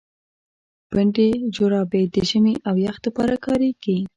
پنډي جراپي د ژمي او يخ د پاره کاريږي.